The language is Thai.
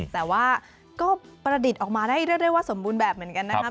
แต่ว่าก็ประดิษฐ์ออกมาได้เรียกได้ว่าสมบูรณ์แบบเหมือนกันนะครับ